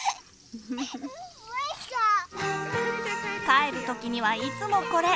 帰るときにはいつもこれ！